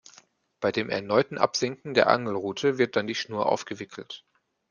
Bei dem erneuten Absenken der Angelrute wird dann die Schnur aufgewickelt.